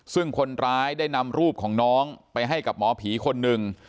ซึ่งคนร้ายได้นำรูปของน้องไปให้กับหมอผีคนหนึ่ง